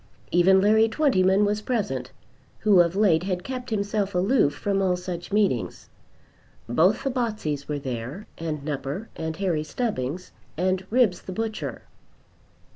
Even Larry Twentyman was present, who of late had kept himself aloof from all such meetings. Both the Botseys were there, and Nupper and Harry Stubbings, and Ribbs the butcher.